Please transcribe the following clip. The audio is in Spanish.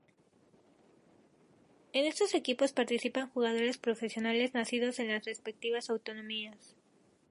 En estos equipos participan jugadores profesionales nacidos en las respectivas autonomías.